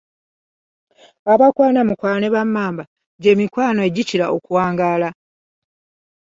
Abakwana mukwane ba Mmamba Gye mikwano egikira okuwangaala.